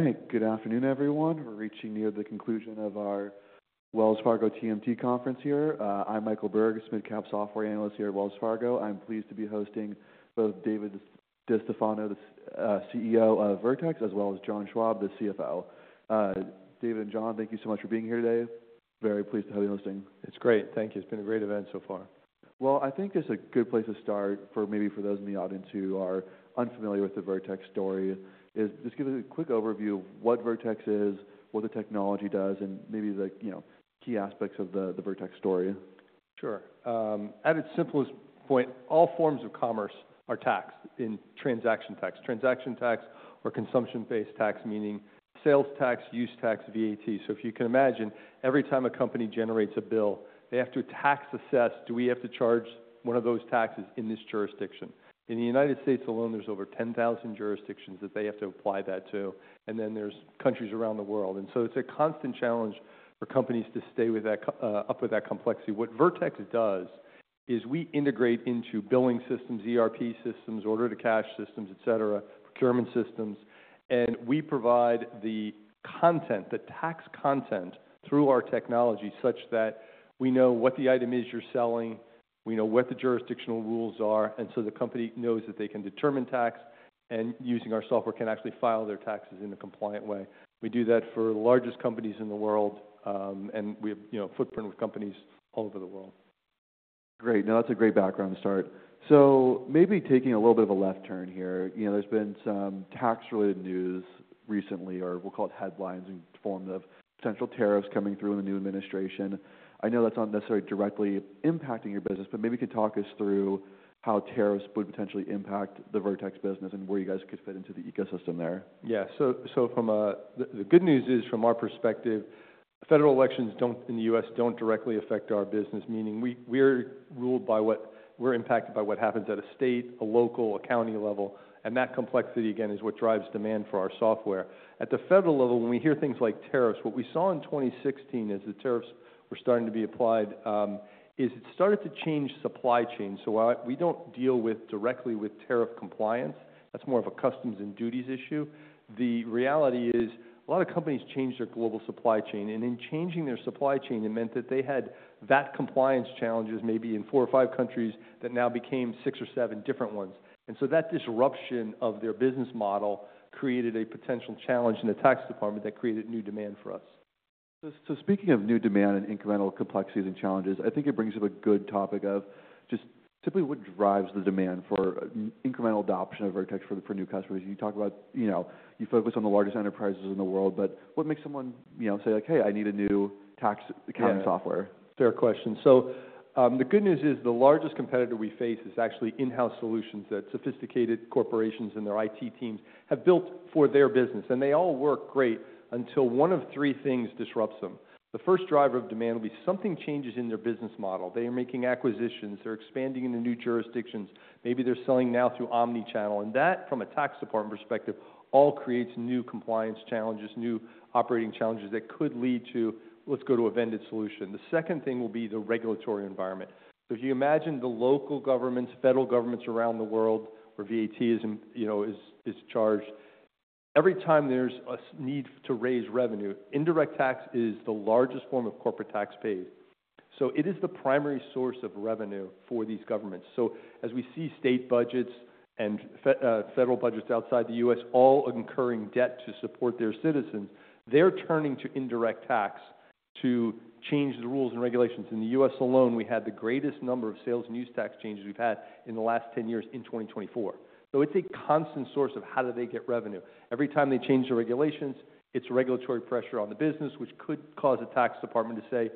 All right. Good afternoon, everyone. We're reaching near the conclusion of our Wells Fargo TMT conference here. I'm Michael Berg, a mid-cap software analyst here at Wells Fargo. I'm pleased to be hosting both David DeStefano, the CEO of Vertex, as well as John Schwab, the CFO. David and John, thank you so much for being here today. Very pleased to have you hosting. It's great. Thank you. It's been a great event so far. I think it's a good place to start for maybe those in the audience who are unfamiliar with the Vertex story is just give a quick overview of what Vertex is, what the technology does, and maybe the, you know, key aspects of the Vertex story. Sure. At its simplest point, all forms of commerce are taxed in transaction tax. Transaction tax or consumption-based tax, meaning sales tax, use tax, VAT. So if you can imagine, every time a company generates a bill, they have to tax assess, do we have to charge one of those taxes in this jurisdiction? In the United States alone, there's over 10,000 jurisdictions that they have to apply that to, and then there's countries around the world. And so it's a constant challenge for companies to stay up with that complexity. What Vertex does is we integrate into billing systems, ERP systems, order-to-cash systems, etc., procurement systems, and we provide the content, the tax content, through our technology such that we know what the item is you're selling, we know what the jurisdictional rules are, and so the company knows that they can determine tax and, using our software, can actually file their taxes in a compliant way. We do that for the largest companies in the world, and we have, you know, a footprint with companies all over the world. Great. No, that's a great background to start. So maybe taking a little bit of a left turn here, you know, there's been some tax-related news recently, or we'll call it headlines, in the form of potential tariffs coming through in the new administration. I know that's not necessarily directly impacting your business, but maybe you could talk us through how tariffs would potentially impact the Vertex business and where you guys could fit into the ecosystem there. Yeah. So from a, the good news is, from our perspective, federal elections don't in the U.S. directly affect our business, meaning we are ruled by what we're impacted by what happens at a state, a local, a county level, and that complexity, again, is what drives demand for our software. At the federal level, when we hear things like tariffs, what we saw in 2016 as the tariffs were starting to be applied, it started to change supply chains. So while we don't deal directly with tariff compliance, that's more of a customs and duties issue, the reality is a lot of companies changed their global supply chain, and in changing their supply chain, it meant that they had VAT compliance challenges maybe in four or five countries that now became six or seven different ones. And so that disruption of their business model created a potential challenge in the tax department that created new demand for us. So, speaking of new demand and incremental complexities and challenges, I think it brings up a good topic of just simply what drives the demand for incremental adoption of Vertex for the new customers. You talk about, you know, you focus on the largest enterprises in the world, but what makes someone, you know, say like, "Hey, I need a new tax accounting software"? Fair question. So, the good news is the largest competitor we face is actually in-house solutions that sophisticated corporations and their IT teams have built for their business, and they all work great until one of three things disrupts them. The first driver of demand will be something changes in their business model. They are making acquisitions, they're expanding into new jurisdictions, maybe they're selling now through omnichannel, and that, from a tax department perspective, all creates new compliance challenges, new operating challenges that could lead to, let's go to a vended solution. The second thing will be the regulatory environment. So if you imagine the local governments, federal governments around the world, where VAT is, you know, charged, every time there's a need to raise revenue, indirect tax is the largest form of corporate tax paid. So it is the primary source of revenue for these governments. So as we see state budgets and, federal budgets outside the U.S. all incurring debt to support their citizens, they're turning to indirect tax to change the rules and regulations. In the U.S. alone, we had the greatest number of sales and use tax changes we've had in the last 10 years in 2024. So it's a constant source of how do they get revenue. Every time they change the regulations, it's regulatory pressure on the business, which could cause a tax department to say,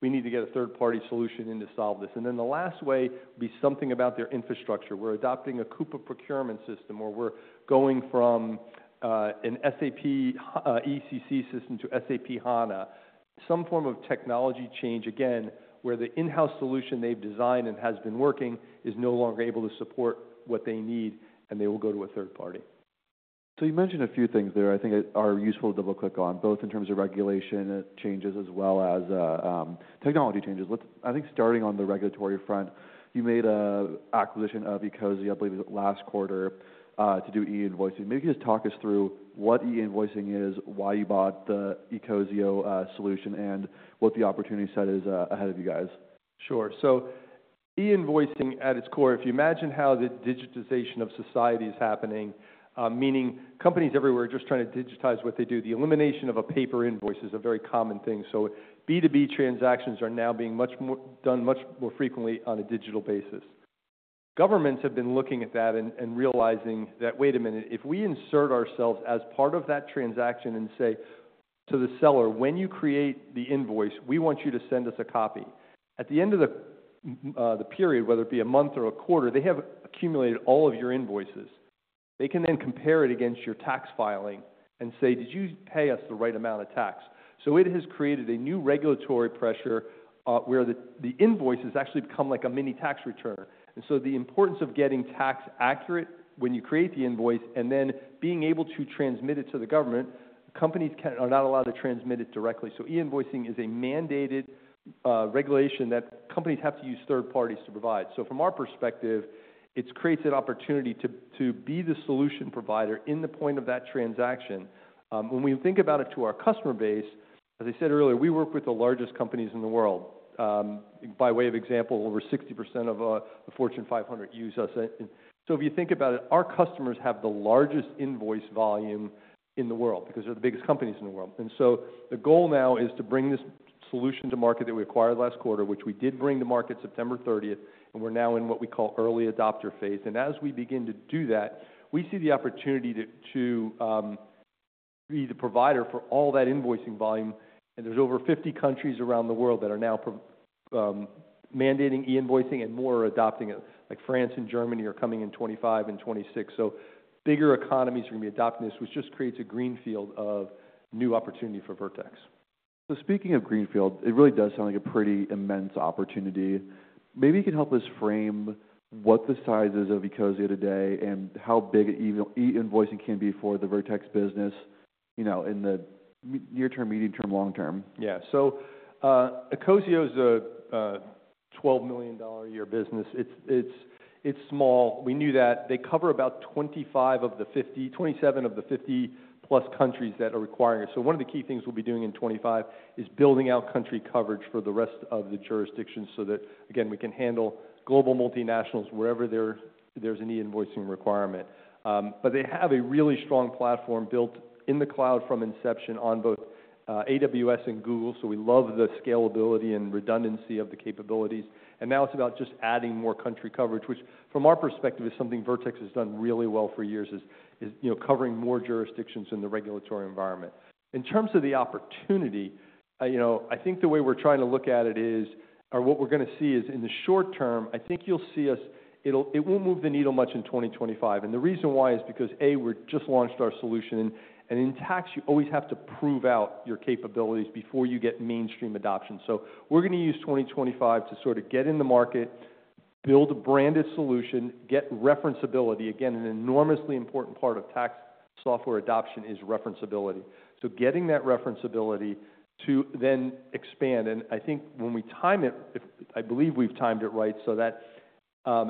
"We need to get a third-party solution in to solve this." And then the last way would be something about their infrastructure. We're adopting a Coupa procurement system, or we're going from an SAP ECC system to SAP HANA, some form of technology change, again, where the in-house solution they've designed and has been working is no longer able to support what they need, and they will go to a third party. So you mentioned a few things there I think are useful to double-click on, both in terms of regulation changes as well as technology changes. Let's, I think starting on the regulatory front, you made an acquisition of Ecosio, I believe it was last quarter, to do e-invoicing. Maybe you could just talk us through what e-invoicing is, why you bought the Ecosio solution, and what the opportunity set is, ahead of you guys. Sure, so e-invoicing, at its core, if you imagine how the digitization of society is happening, meaning companies everywhere are just trying to digitize what they do, the elimination of a paper invoice is a very common thing. So B2B transactions are now being much more done much more frequently on a digital basis. Governments have been looking at that and realizing that, "Wait a minute, if we insert ourselves as part of that transaction and say to the seller, 'When you create the invoice, we want you to send us a copy,' at the end of the period, whether it be a month or a quarter, they have accumulated all of your invoices. They can then compare it against your tax filing and say, "Did you pay us the right amount of tax?" So it has created a new regulatory pressure, where the invoice has actually become like a mini tax return. And so the importance of getting tax accurate when you create the invoice and then being able to transmit it to the government, companies are not allowed to transmit it directly. So e-invoicing is a mandated regulation that companies have to use third parties to provide. So from our perspective, it creates an opportunity to be the solution provider in the point of that transaction. When we think about it to our customer base, as I said earlier, we work with the largest companies in the world. By way of example, over 60% of the Fortune 500 use us. And so if you think about it, our customers have the largest invoice volume in the world because they're the biggest companies in the world. And so the goal now is to bring this solution to market that we acquired last quarter, which we did bring to market September 30th, and we're now in what we call early adopter phase. And as we begin to do that, we see the opportunity to be the provider for all that invoicing volume. And there's over 50 countries around the world that are now mandating e-invoicing and more are adopting it, like France and Germany are coming in 2025 and 2026. So bigger economies are going to be adopting this, which just creates a greenfield of new opportunity for Vertex. So speaking of greenfield, it really does sound like a pretty immense opportunity. Maybe you could help us frame what the size is of Ecosio today and how big e-invoicing can be for the Vertex business, you know, in the near term, medium term, long term? Yeah. So, Ecosio is a $12 million a year business. It's small. We knew that. They cover about 25 of the 50, 27 of the 50-plus countries that are requiring it. So one of the key things we'll be doing in 2025 is building out country coverage for the rest of the jurisdictions so that, again, we can handle global multinationals wherever there's an e-invoicing requirement. But they have a really strong platform built in the cloud from inception on both AWS and Google. So we love the scalability and redundancy of the capabilities. And now it's about just adding more country coverage, which, from our perspective, is something Vertex has done really well for years, you know, covering more jurisdictions in the regulatory environment. In terms of the opportunity, you know, I think the way we're trying to look at it is, or what we're going to see is, in the short term, I think you'll see us, it won't move the needle much in 2025, and the reason why is because A, we just launched our solution, and in tax, you always have to prove out your capabilities before you get mainstream adoption, so we're going to use 2025 to sort of get in the market, build a branded solution, get referenceability. Again, an enormously important part of tax software adoption is referenceability, so getting that referenceability to then expand, and I think when we time it, if I believe we've timed it right, so that,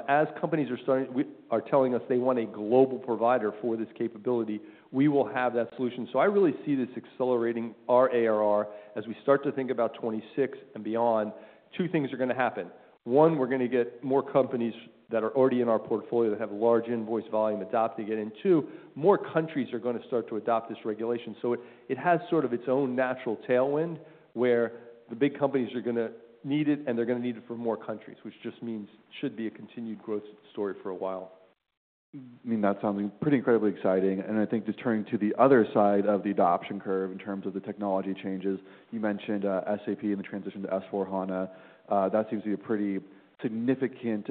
as companies are starting to tell us they want a global provider for this capability, we will have that solution. So I really see this accelerating our ARR as we start to think about 2026 and beyond. Two things are going to happen. One, we're going to get more companies that are already in our portfolio that have large invoice volume adopting it. And two, more countries are going to start to adopt this regulation. So it has sort of its own natural tailwind where the big companies are going to need it, and they're going to need it for more countries, which just means should be a continued growth story for a while. I mean, that sounds pretty incredibly exciting, and I think just turning to the other side of the adoption curve in terms of the technology changes you mentioned, SAP and the transition to S/4HANA. That seems to be a pretty significant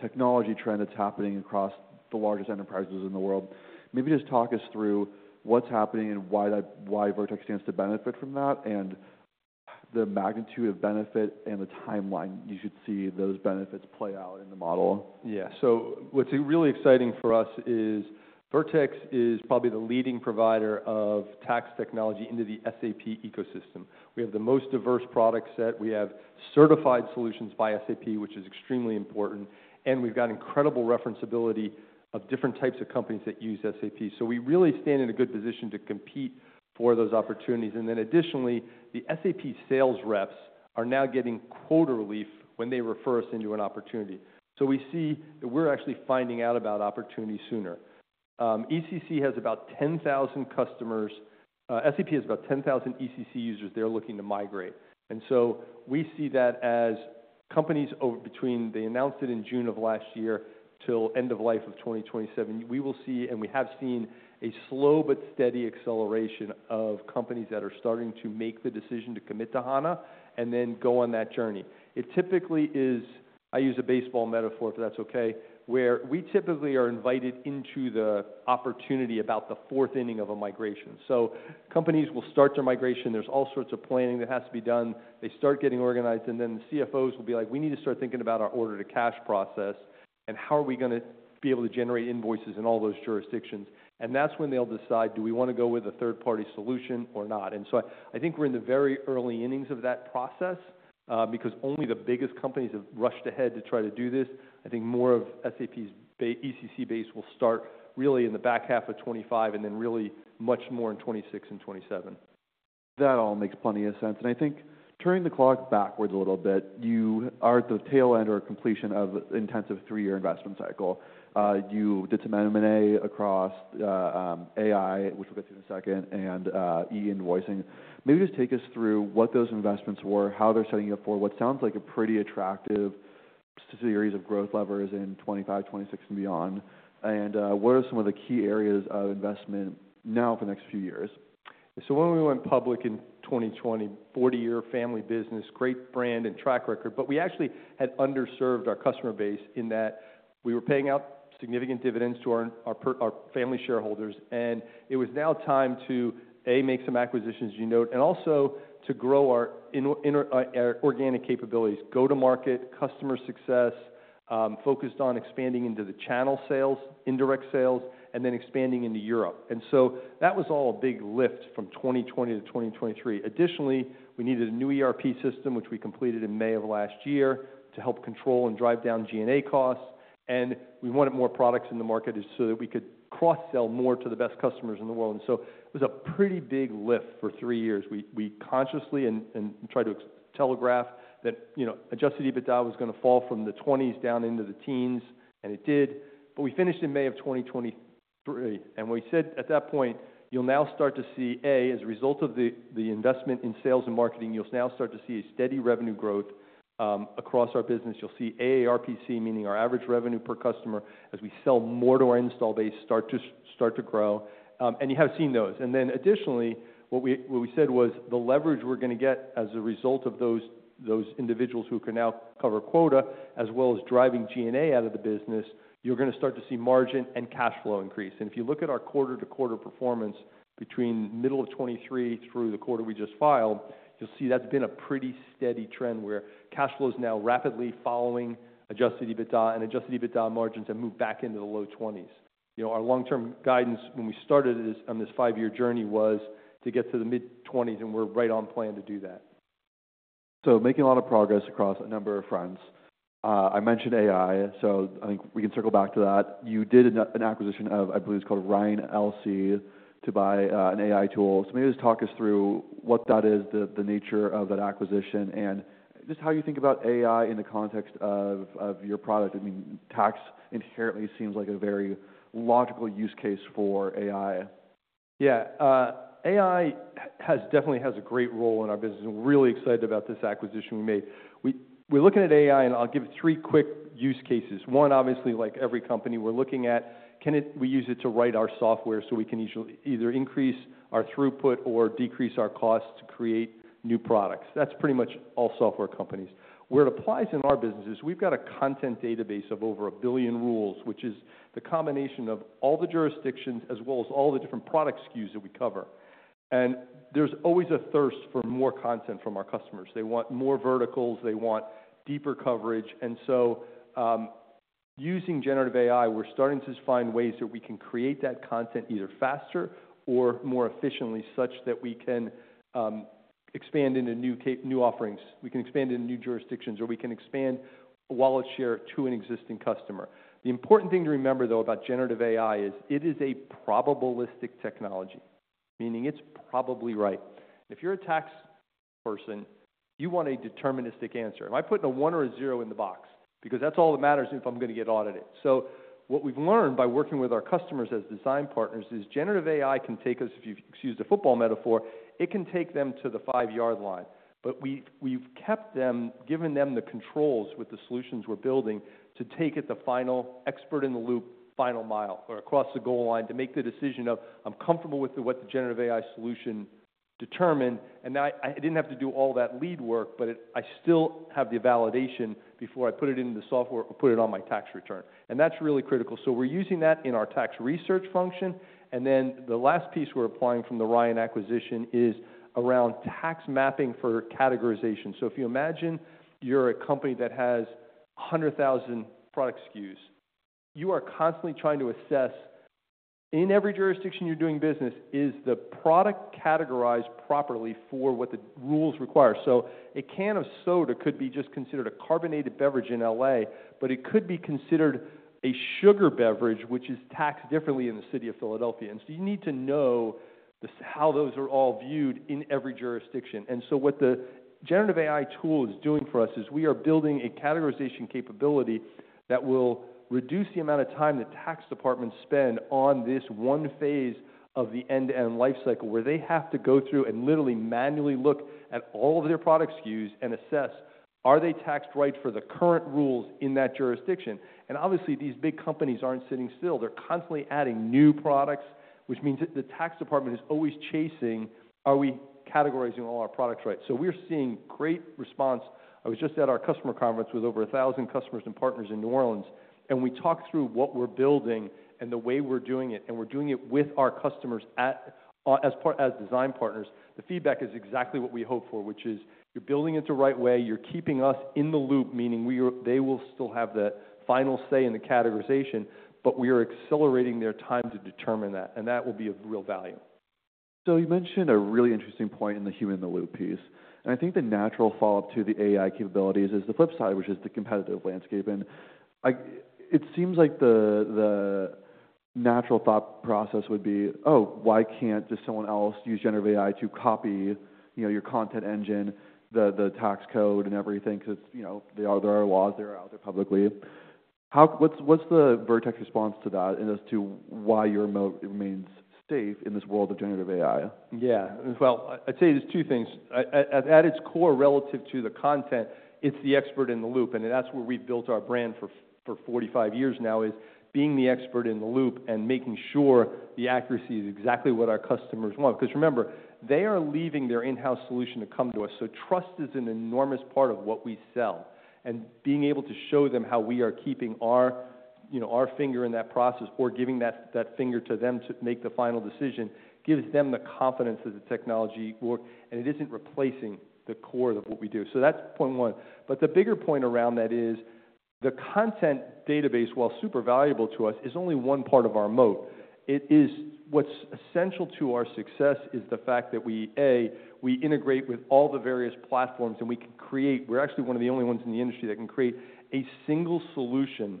technology trend that's happening across the largest enterprises in the world. Maybe just talk us through what's happening and why that, why Vertex stands to benefit from that and the magnitude of benefit and the timeline you should see those benefits play out in the model. Yeah. So what's really exciting for us is Vertex is probably the leading provider of tax technology into the SAP ecosystem. We have the most diverse product set. We have certified solutions by SAP, which is extremely important, and we've got incredible referenceability of different types of companies that use SAP. So we really stand in a good position to compete for those opportunities. And then additionally, the SAP sales reps are now getting quota relief when they refer us into an opportunity. So we see that we're actually finding out about opportunities sooner. ECC has about 10,000 customers. SAP has about 10,000 ECC users they're looking to migrate. And so we see that as companies over between they announced it in June of last year till end of life of 2027, we will see, and we have seen, a slow but steady acceleration of companies that are starting to make the decision to commit to HANA and then go on that journey. It typically is. I use a baseball metaphor, if that's okay, where we typically are invited into the opportunity about the fourth inning of a migration. So companies will start their migration. There's all sorts of planning that has to be done. They start getting organized, and then the CFOs will be like, "We need to start thinking about our order to cash process, and how are we going to be able to generate invoices in all those jurisdictions?" And that's when they'll decide, "Do we want to go with a third-party solution or not?" And so I, I think we're in the very early innings of that process, because only the biggest companies have rushed ahead to try to do this. I think more of SAP's ECC base will start really in the back half of 2025 and then really much more in 2026 and 2027. That all makes plenty of sense. And I think turning the clock backwards a little bit, you are at the tail end or completion of an intensive three-year investment cycle. You did some M&A across AI, which we'll get to in a second, and e-invoicing. Maybe just take us through what those investments were, how they're setting you up for what sounds like a pretty attractive series of growth levers in 2025, 2026, and beyond. And what are some of the key areas of investment now for the next few years? So when we went public in 2020, 40-year family business, great brand and track record, but we actually had underserved our customer base in that we were paying out significant dividends to our family shareholders. And it was now time to, A, make some acquisitions, as you note, and also to grow our organic capabilities, go to market, customer success, focused on expanding into the channel sales, indirect sales, and then expanding into Europe. And so that was all a big lift from 2020 to 2023. Additionally, we needed a new ERP system, which we completed in May of last year to help control and drive down G&A costs. And we wanted more products in the market so that we could cross-sell more to the best customers in the world. And so it was a pretty big lift for three years. We consciously tried to telegraph that, you know, Adjusted EBITDA was going to fall from the 20s down into the teens, and it did. But we finished in May of 2023. We said at that point, "You'll now start to see, A, as a result of the investment in sales and marketing, you'll now start to see a steady revenue growth across our business. You'll see AARPC, meaning our average revenue per customer, as we sell more to our install base, start to grow." And you have seen those. Then additionally, what we said was the leverage we're going to get as a result of those individuals who can now cover quota, as well as driving G&A out of the business, you're going to start to see margin and cash flow increase. If you look at our quarter-to-quarter performance between middle of 2023 through the quarter we just filed, you'll see that's been a pretty steady trend where cash flow is now rapidly following Adjusted EBITDA, and Adjusted EBITDA margins have moved back into the low 20s. You know, our long-term guidance when we started on this five-year journey was to get to the mid-20s, and we're right on plan to do that. So making a lot of progress across a number of fronts. I mentioned AI, so I think we can circle back to that. You did an acquisition of, I believe it's called Ryan, LLC to buy, an AI tool. So maybe just talk us through what that is, the nature of that acquisition, and just how you think about AI in the context of, of your product. I mean, tax inherently seems like a very logical use case for AI. Yeah. AI definitely has a great role in our business. I'm really excited about this acquisition we made. We're looking at AI, and I'll give three quick use cases. One, obviously, like every company, we're looking at can we use it to write our software so we can easily either increase our throughput or decrease our costs to create new products. That's pretty much all software companies. Where it applies in our business is we've got a content database of over a billion rules, which is the combination of all the jurisdictions as well as all the different product SKUs that we cover. There's always a thirst for more content from our customers. They want more verticals. They want deeper coverage. And so, using Generative AI, we're starting to find ways that we can create that content either faster or more efficiently such that we can expand into new offerings. We can expand into new jurisdictions, or we can expand wallet share to an existing customer. The important thing to remember, though, about Generative AI is it is a probabilistic technology, meaning it's probably right. If you're a tax person, you want a deterministic answer. Am I putting a one or a zero in the box? Because that's all that matters if I'm going to get audited. So what we've learned by working with our customers as design partners is generative AI can take us, if you've used a football metaphor, it can take them to the five-yard line. But we've kept them, given them the controls with the solutions we're building to take it the final expert in the loop, final mile, or across the goal line to make the decision of, "I'm comfortable with what the generative AI solution determined." And I didn't have to do all that lead work, but I still have the validation before I put it into the software or put it on my tax return. And that's really critical. So we're using that in our tax research function. And then the last piece we're applying from the Ryan acquisition is around tax mapping for categorization. So if you imagine you're a company that has 100,000 product SKUs, you are constantly trying to assess in every jurisdiction you're doing business, is the product categorized properly for what the rules require? So a can of soda could be just considered a carbonated beverage in LA, but it could be considered a sugary beverage, which is taxed differently in the city of Philadelphia. And so you need to know how those are all viewed in every jurisdiction. And so what the generative AI tool is doing for us is we are building a categorization capability that will reduce the amount of time that tax departments spend on this one phase of the end-to-end life cycle where they have to go through and literally manually look at all of their product SKUs and assess, are they taxed right for the current rules in that jurisdiction? And obviously, these big companies aren't sitting still. They're constantly adding new products, which means that the tax department is always chasing, are we categorizing all our products right? So we're seeing great response. I was just at our customer conference with over a thousand customers and partners in New Orleans, and we talked through what we're building and the way we're doing it, and we're doing it with our customers as design partners. The feedback is exactly what we hope for, which is you're building it the right way. You're keeping us in the loop, meaning they will still have the final say in the categorization, but we are accelerating their time to determine that. And that will be of real value. So you mentioned a really interesting point in the human in the loop piece. And I think the natural follow-up to the AI capabilities is the flip side, which is the competitive landscape. And it seems like the natural thought process would be, "Oh, why can't just someone else use generative AI to copy, you know, your content engine, the tax code and everything?" Because it's, you know, there are laws that are out there publicly. How? What's the Vertex response to that and as to why your moat remains safe in this world of generative AI? Yeah. Well, I'd say there's two things. At its core, relative to the content, it's the expert in the loop. And that's where we've built our brand for, for 45 years now, is being the expert in the loop and making sure the accuracy is exactly what our customers want. Because remember, they are leaving their in-house solution to come to us. So trust is an enormous part of what we sell. And being able to show them how we are keeping our, you know, our finger in that process or giving that, that finger to them to make the final decision gives them the confidence that the technology works. And it isn't replacing the core of what we do. So that's point one. But the bigger point around that is the content database, while super valuable to us, is only one part of our moat. It is what's essential to our success is the fact that we, A, we integrate with all the various platforms, and we can create; we're actually one of the only ones in the industry that can create a single solution,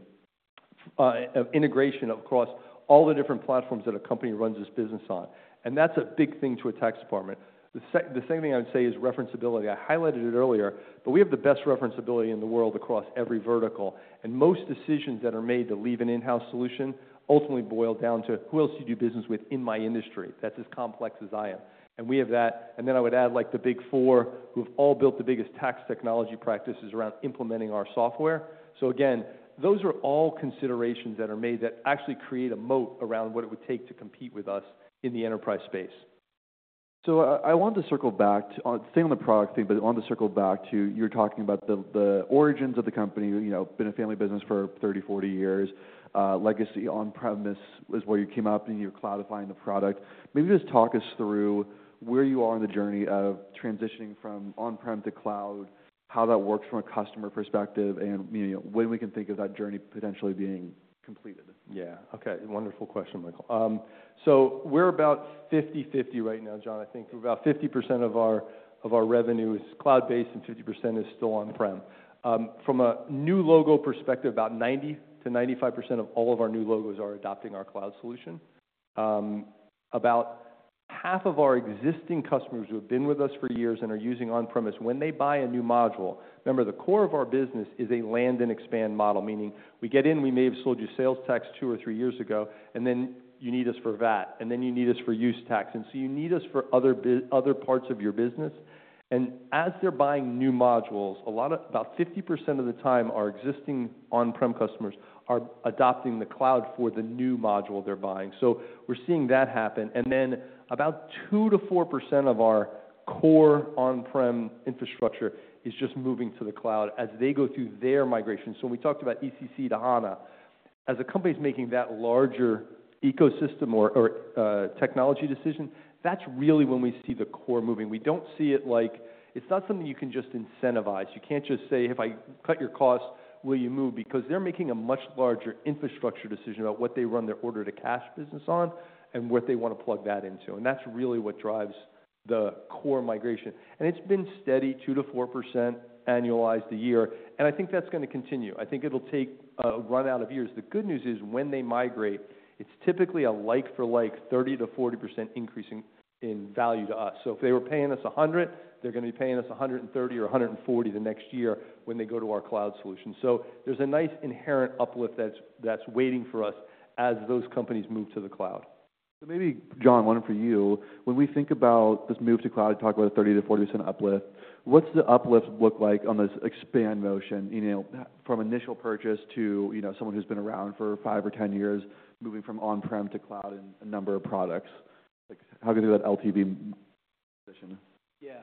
integration across all the different platforms that a company runs its business on. And that's a big thing to a tax department. The second thing I would say is referenceability. I highlighted it earlier, but we have the best referenceability in the world across every vertical. And most decisions that are made to leave an in-house solution ultimately boil down to who else do you do business with in my industry? That's as complex as I am. And we have that. And then I would add like the Big Four, who have all built the biggest tax technology practices around implementing our software. So again, those are all considerations that are made that actually create a moat around what it would take to compete with us in the enterprise space. So I want to circle back to staying on the product thing, but I want to circle back to, you're talking about the origins of the company, you know, been a family business for 30, 40 years. Legacy on-premise is where you came up and you're cloudifying the product. Maybe just talk us through where you are in the journey of transitioning from on-prem to cloud, how that works from a customer perspective, and, you know, when we can think of that journey potentially being completed. Yeah. Okay. Wonderful question, Michael. So we're about 50/50 right now, John. I think about 50% of our revenue is cloud-based and 50% is still on-prem. From a new logo perspective, about 90%-95% of all of our new logos are adopting our cloud solution. About half of our existing customers who have been with us for years and are using on-premise, when they buy a new module, remember the core of our business is a land and expand model, meaning we get in, we may have sold you sales tax two or three years ago, and then you need us for VAT, and then you need us for use tax. And so you need us for other parts of your business. As they're buying new modules, a lot of, about 50% of the time, our existing on-prem customers are adopting the cloud for the new module they're buying. We're seeing that happen. Then about 2%-4% of our core on-prem infrastructure is just moving to the cloud as they go through their migration. When we talked about ECC to HANA, as a company is making that larger ecosystem or technology decision, that's really when we see the core moving. We don't see it like, it's not something you can just incentivize. You can't just say, "If I cut your costs, will you move?" Because they're making a much larger infrastructure decision about what they run their order-to-cash business on and what they want to plug that into. That's really what drives the core migration. It's been steady, 2%-4% annualized a year. I think that's going to continue. I think it'll take a number of years. The good news is when they migrate, it's typically a like-for-like 30%-40% increase in value to us. If they were paying us $100, they're going to be paying us $130 or $140 the next year when they go to our cloud solution. There's a nice inherent uplift that's waiting for us as those companies move to the cloud. So maybe, John, one for you. When we think about this move to cloud, talk about a 30%-40% uplift, what's the uplift look like on this expand motion, you know, from initial purchase to, you know, someone who's been around for five or 10 years moving from on-prem to cloud and a number of products? Like how do you do that LTV position? Yeah.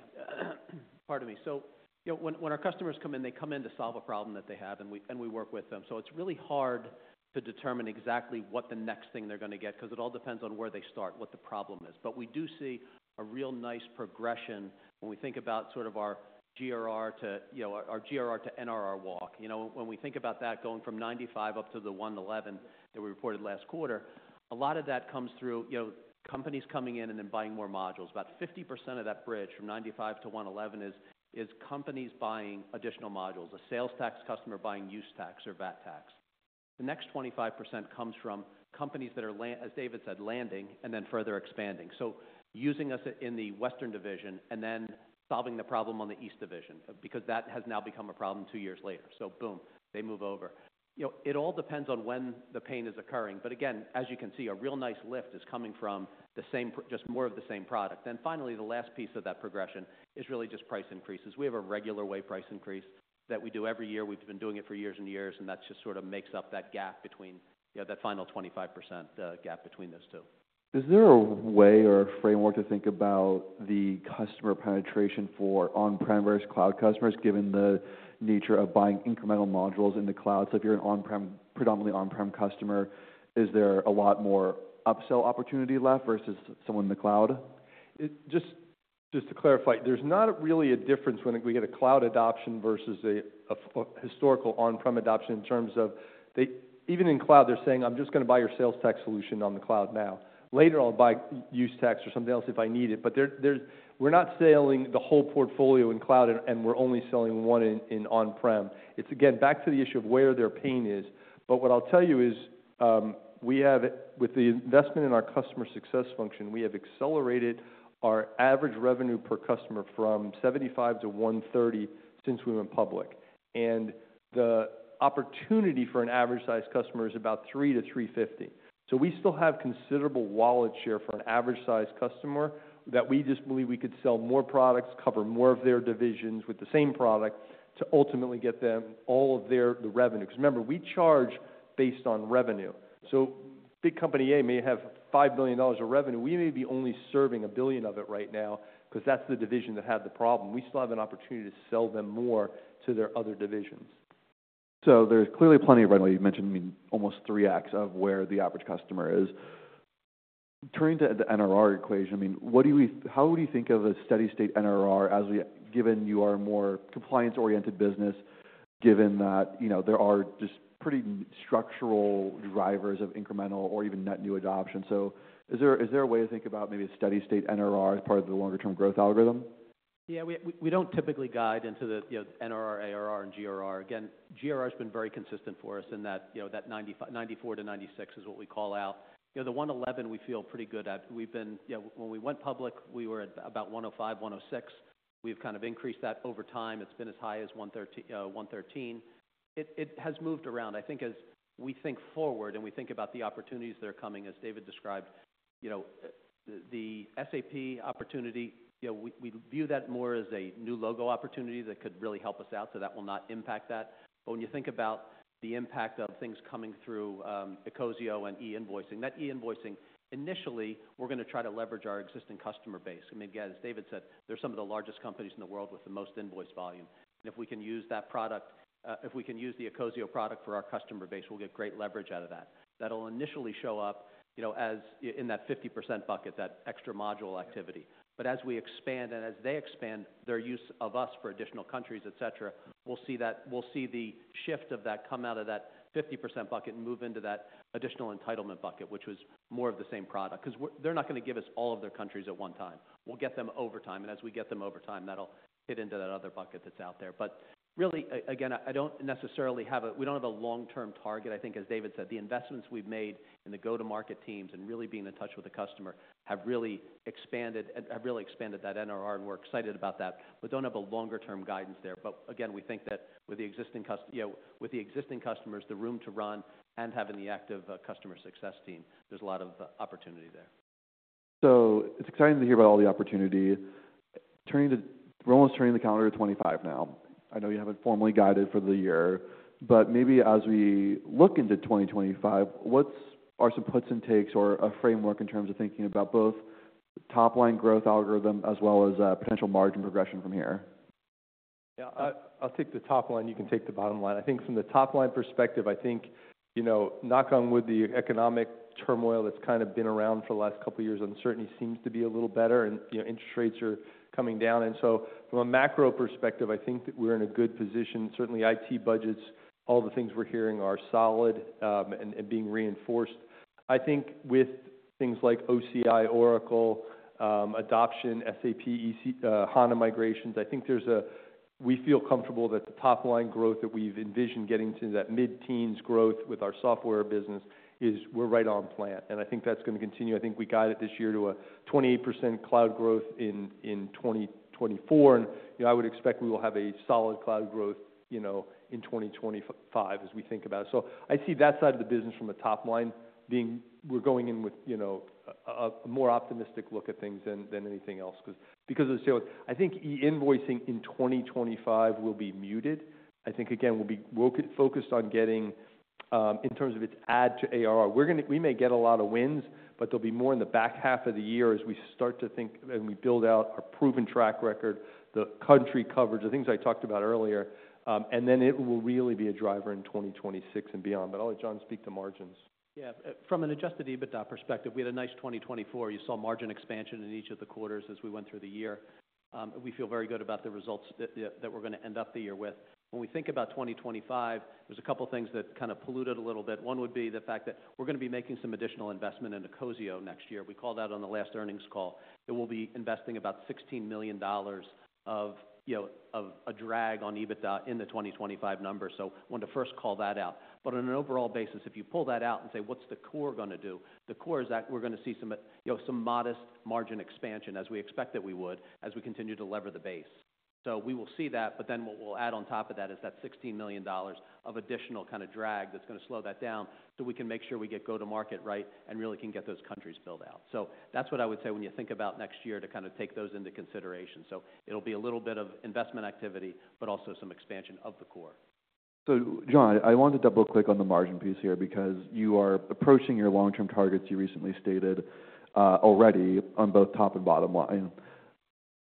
Pardon me. So, you know, when our customers come in, they come in to solve a problem that they have, and we work with them. So it's really hard to determine exactly what the next thing they're going to get, because it all depends on where they start, what the problem is. But we do see a real nice progression when we think about sort of our GRR to, you know, NRR walk. You know, when we think about that going from 95 up to the 111 that we reported last quarter, a lot of that comes through, you know, companies coming in and then buying more modules. About 50% of that bridge from 95-111 is companies buying additional modules, a sales tax customer buying use tax or VAT tax. The next 25% comes from companies that are, as David said, landing and then further expanding. So using us in the Western division and then solving the problem on the East division, because that has now become a problem two years later. So boom, they move over. You know, it all depends on when the pain is occurring. But again, as you can see, a real nice lift is coming from the same, just more of the same product. And finally, the last piece of that progression is really just price increases. We have a regular way price increase that we do every year. We've been doing it for years and years, and that just sort of makes up that gap between, you know, that final 25% gap between those two. Is there a way or a framework to think about the customer penetration for on-prem versus cloud customers, given the nature of buying incremental modules in the cloud? So if you're an on-prem, predominantly on-prem customer, is there a lot more upsell opportunity left versus someone in the cloud? Just to clarify, there's not really a difference when we get a cloud adoption versus a historical on-prem adoption in terms of they, even in cloud, they're saying, "I'm just going to buy your sales tax solution on the cloud now. Later, I'll buy use tax or something else if I need it." But there's, we're not selling the whole portfolio in cloud, and we're only selling one in on-prem. It's, again, back to the issue of where their pain is. But what I'll tell you is, we have, with the investment in our customer success function, we have accelerated our average revenue per customer from 75-130 since we went public. And the opportunity for an average-sized customer is about 3-350. We still have considerable wallet share for an average-sized customer that we just believe we could sell more products, cover more of their divisions with the same product to ultimately get them all of their revenue. Because remember, we charge based on revenue. Big company A may have $5 billion of revenue. We may be only serving $1 billion of it right now, because that's the division that had the problem. We still have an opportunity to sell them more to their other divisions. There's clearly plenty of revenue. You've mentioned, I mean, almost 3X of where the average customer is. Turning to the NRR equation, I mean, how would you think of a steady-state NRR, given you are a more compliance-oriented business, given that, you know, there are just pretty structural drivers of incremental or even net new adoption? Is there a way to think about maybe a steady-state NRR as part of the longer-term growth algorithm? Yeah, we don't typically guide into the, you know, NRR, ARR, and GRR. Again, GRR has been very consistent for us in that, you know, that 94%-96% is what we call out. You know, the 111% we feel pretty good at. We've been, you know, when we went public, we were at about 105%-106%. We've kind of increased that over time. It's been as high as 113%. It has moved around. I think as we think forward and we think about the opportunities that are coming, as David described, you know, the SAP opportunity, you know, we view that more as a new logo opportunity that could really help us out. So that will not impact that. But when you think about the impact of things coming through, Ecosio and e-invoicing, that e-invoicing, initially, we're going to try to leverage our existing customer base. I mean, again, as David said, they're some of the largest companies in the world with the most invoice volume. And if we can use that product, if we can use the Ecosio product for our customer base, we'll get great leverage out of that. That'll initially show up, you know, as in that 50% bucket, that extra module activity. But as we expand and as they expand their use of us for additional countries, et cetera, we'll see that, we'll see the shift of that come out of that 50% bucket and move into that additional entitlement bucket, which was more of the same product. Because they're not going to give us all of their countries at one time. We'll get them over time. And as we get them over time, that'll fit into that other bucket that's out there. But really, again, I don't necessarily have a—we don't have a long-term target. I think, as David said, the investments we've made in the go-to-market teams and really being in touch with the customer have really expanded that NRR, and we're excited about that, but don't have a longer-term guidance there. But again, we think that with the existing customers, you know, with the existing customers, the room to run, and having the active customer success team, there's a lot of opportunity there. It's exciting to hear about all the opportunity. We're almost turning the calendar to 2025 now. I know you haven't formally guided for the year, but maybe as we look into 2025, what are some puts and takes or a framework in terms of thinking about both top-line growth algorithm as well as potential margin progression from here? Yeah, I'll take the top line. You can take the bottom line. I think from the top-line perspective, I think, you know, knock on wood, the economic turmoil that's kind of been around for the last couple of years, uncertainty seems to be a little better. And, you know, interest rates are coming down. And so from a macro perspective, I think that we're in a good position. Certainly, IT budgets, all the things we're hearing are solid, and being reinforced. I think with things like OCI, Oracle, adoption, SAP, HANA migrations, I think there's, we feel comfortable that the top-line growth that we've envisioned getting to that mid-teens growth with our software business is we're right on plan. And I think that's going to continue. I think we guided this year to a 28% cloud growth in 2024. You know, I would expect we will have a solid cloud growth, you know, in 2025 as we think about it. So I see that side of the business from the top line being, we're going in with, you know, a more optimistic look at things than anything else. Because of the sales, I think e-invoicing in 2025 will be muted. I think, again, we'll be focused on getting, in terms of its add to ARR. We're going to, we may get a lot of wins, but there'll be more in the back half of the year as we start to think and we build out our proven track record, the country coverage, the things I talked about earlier. And then it will really be a driver in 2026 and beyond. But I'll let John speak to margins. Yeah. From an Adjusted EBITDA perspective, we had a nice 2024. You saw margin expansion in each of the quarters as we went through the year. We feel very good about the results that we're going to end up the year with. When we think about 2025, there's a couple of things that kind of polluted a little bit. One would be the fact that we're going to be making some additional investment in Ecosio next year. We called out on the last earnings call that we'll be investing about $16 million of, you know, of a drag on EBITDA in the 2025 number. So I wanted to first call that out. But on an overall basis, if you pull that out and say, what's the core going to do? The core is that we're going to see some, you know, some modest margin expansion as we expect that we would as we continue to leverage the base. So we will see that. But then what we'll add on top of that is that $16 million of additional kind of drag that's going to slow that down so we can make sure we get go-to-market right and really can get those countries filled out. So that's what I would say when you think about next year to kind of take those into consideration. So it'll be a little bit of investment activity, but also some expansion of the core. So John, I want to double-click on the margin piece here because you are approaching your long-term targets you recently stated, already on both top and bottom line.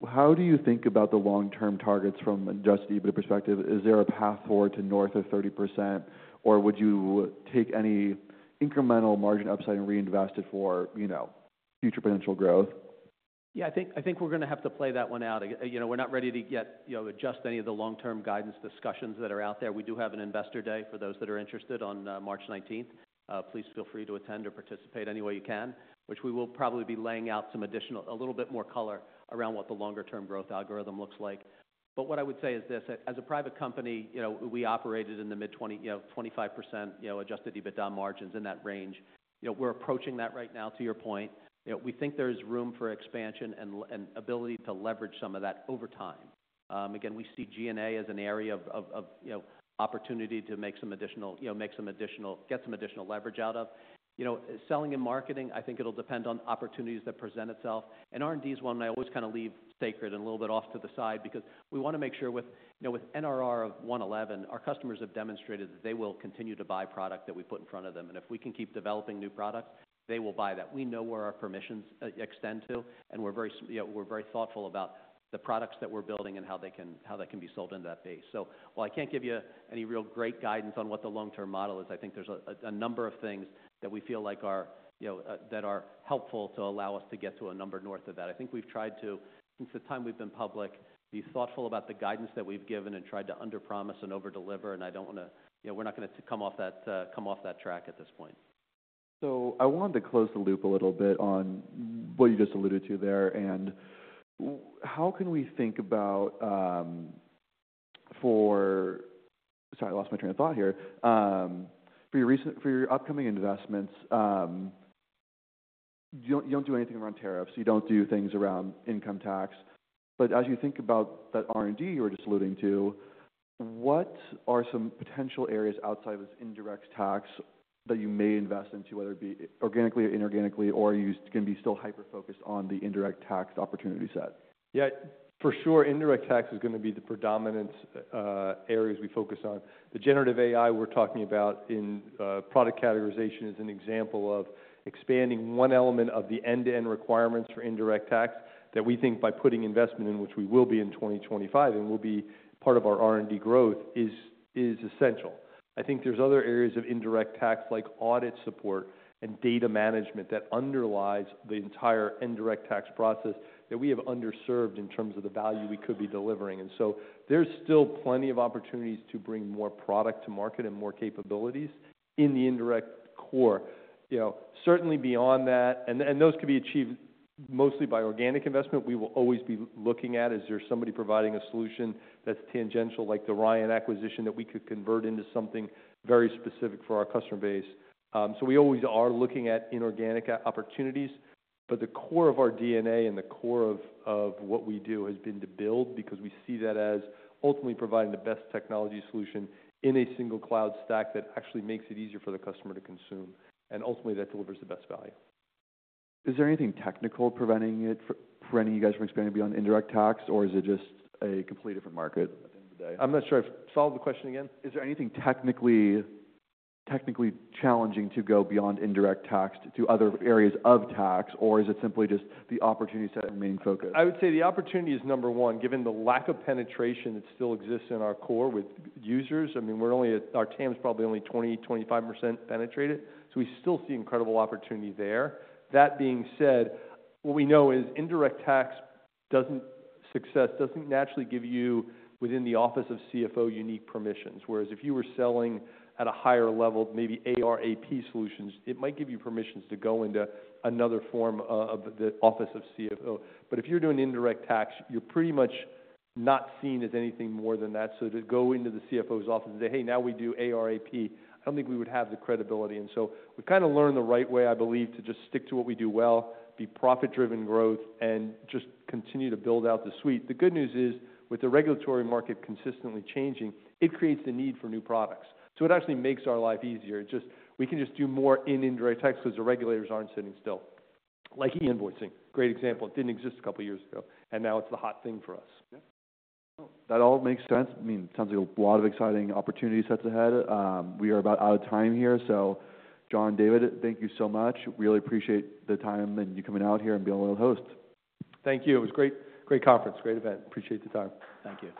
How do you think about the long-term targets from an Adjusted EBITDA perspective? Is there a path forward to north of 30%, or would you take any incremental margin upside and reinvest it for, you know, future potential growth? Yeah, I think, I think we're going to have to play that one out. You know, we're not ready to yet, you know, adjust any of the long-term guidance discussions that are out there. We do have an investor day for those that are interested on March 19th. Please feel free to attend or participate any way you can, which we will probably be laying out some additional, a little bit more color around what the longer-term growth algorithm looks like. But what I would say is this, as a private company, you know, we operated in the mid-20, you know, 25%, you know, Adjusted EBITDA margins in that range. You know, we're approaching that right now to your point. You know, we think there's room for expansion and ability to leverage some of that over time. Again, we see G&A as an area of, you know, opportunity to make some additional, you know, get some additional leverage out of. You know, selling and marketing, I think it'll depend on opportunities that present itself. And R&D is one I always kind of leave sacred and a little bit off to the side because we want to make sure with, you know, with NRR of 111%, our customers have demonstrated that they will continue to buy product that we put in front of them. And if we can keep developing new products, they will buy that. We know where our permissions extend to, and we're very, you know, we're very thoughtful about the products that we're building and how they can be sold into that base. So while I can't give you any real great guidance on what the long-term model is, I think there's a number of things that we feel like are, you know, that are helpful to allow us to get to a number north of that. I think we've tried to, since the time we've been public, be thoughtful about the guidance that we've given and tried to underpromise and overdeliver. And I don't want to, you know, we're not going to come off that track at this point. So I wanted to close the loop a little bit on what you just alluded to there. And how can we think about, sorry, I lost my train of thought here, for your upcoming investments, you don't do anything around tariffs. You don't do things around income tax. But as you think about that R&D you were just alluding to, what are some potential areas outside of this indirect tax that you may invest into, whether it be organically or inorganically, or you can be still hyper-focused on the indirect tax opportunity set? Yeah, for sure. Indirect tax is going to be the predominant areas we focus on. The generative AI we're talking about in product categorization is an example of expanding one element of the end-to-end requirements for indirect tax that we think by putting investment in, which we will be in 2025 and will be part of our R&D growth, is essential. I think there's other areas of indirect tax like audit support and data management that underlies the entire indirect tax process that we have underserved in terms of the value we could be delivering, and so there's still plenty of opportunities to bring more product to market and more capabilities in the indirect core. You know, certainly beyond that, and those could be achieved mostly by organic investment, we will always be looking at, is there somebody providing a solution that's tangential, like the Ryan acquisition that we could convert into something very specific for our customer base? So we always are looking at inorganic opportunities. But the core of our DNA and the core of what we do has been to build because we see that as ultimately providing the best technology solution in a single cloud stack that actually makes it easier for the customer to consume. And ultimately, that delivers the best value. Is there anything technical preventing it, preventing you guys from expanding beyond indirect tax, or is it just a completely different market at the end of the day? I'm not sure I followed the question again. Is there anything technically challenging to go beyond indirect tax to other areas of tax, or is it simply just the opportunity set remaining focused? I would say the opportunity is number one, given the lack of penetration that still exists in our core with users. I mean, we're only, our TAM is probably only 20%-25% penetrated. So we still see incredible opportunity there. That being said, what we know is indirect tax doesn't succeed, doesn't naturally give you within the office of CFO unique permissions. Whereas if you were selling at a higher level, maybe AR, AP solutions, it might give you permissions to go into another form of the office of CFO. But if you're doing indirect tax, you're pretty much not seen as anything more than that. So to go into the CFO's office and say, "Hey, now we do AR, AP," I don't think we would have the credibility. We've kind of learned the right way, I believe, to just stick to what we do well, be profit-driven growth, and just continue to build out the suite. The good news is with the regulatory market consistently changing, it creates the need for new products. It actually makes our life easier. It just, we can just do more in indirect tax because the regulators aren't sitting still. Like e-invoicing, great example. It didn't exist a couple of years ago, and now it's the hot thing for us. That all makes sense. I mean, it sounds like a lot of exciting opportunities set ahead. We are about out of time here. So John, David, thank you so much. Really appreciate the time and you coming out here and being able to host. Thank you. It was great, great conference, great event. Appreciate the time. Thank you.